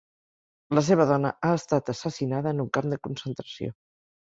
La seva dona ha estat assassinada en un camp de concentració.